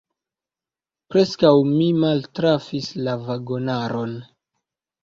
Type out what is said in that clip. Preskaŭ mi maltrafis la vagonaron.